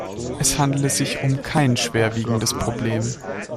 Es handle sich um kein schwerwiegendes Problem.